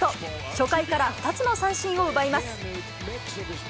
初回から２つの三振を奪います。